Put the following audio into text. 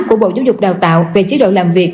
của bộ giáo dục đào tạo về chế độ làm việc